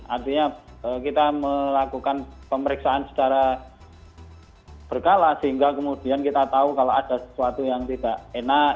artinya kita melakukan pemeriksaan secara berkala sehingga kemudian kita tahu kalau ada sesuatu yang tidak enak